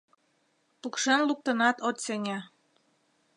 — Пукшен луктынат от сеҥе.